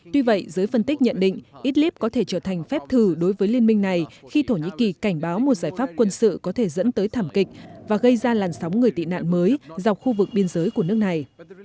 tuy vậy giới phân tích nhận định idlib có thể trở thành phép thử đối với liên minh này khi thổ nhĩ kỳ cảnh báo một giải pháp quân sự có thể dẫn tới thảm kịch và gây ra làn sóng người tị nạn mới dọc khu vực biên giới của nước này